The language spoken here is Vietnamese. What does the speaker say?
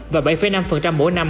và bảy năm mỗi năm